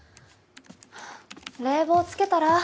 冷房つけたら？